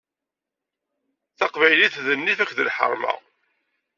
Taqbaylit d nnif akked lḥeṛma!